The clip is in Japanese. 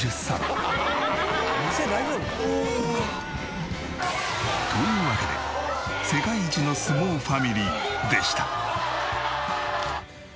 店大丈夫か？というわけで世界一の相撲ファミリーでした。